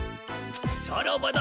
さらばだ